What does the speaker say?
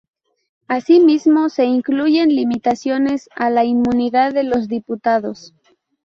Asimismo, se incluyen limitaciones a la inmunidad de los diputados.